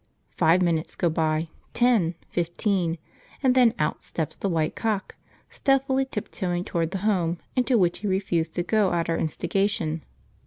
Five minutes go by, ten, fifteen; and then out steps the white cock, stealthily tiptoeing toward the home into which he refused to go at our instigation.